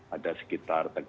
ada sekitar tegang